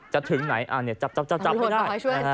จะถึงไหนอ่ะเนี่ยจับไม่ได้